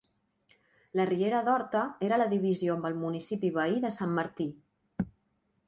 La riera d'Horta era la divisió amb el municipi veí de Sant Martí.